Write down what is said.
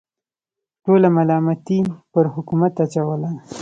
ټوله ملامتي پر حکومت اچوله.